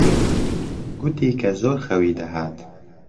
گوتی کە زۆر خەوی دەهات.